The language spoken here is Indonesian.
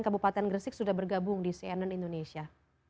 kabupaten gresik sudah bergabung di cnn indonesia